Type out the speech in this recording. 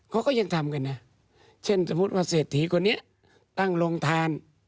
เขาก็ยังทำกันนะเช่นสมมุติว่าเศรษฐีคนนี้ตั้งโรงทาน